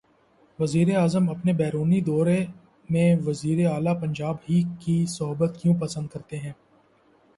وزیراعظم اپنے بیرونی دورے میں وزیر اعلی پنجاب ہی کی صحبت کیوں پسند کرتے ہیں؟